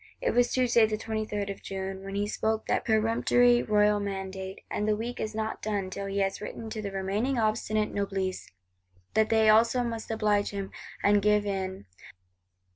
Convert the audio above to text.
It was Tuesday the 23d of June, when he spoke that peremptory royal mandate; and the week is not done till he has written to the remaining obstinate Noblesse, that they also must oblige him, and give in.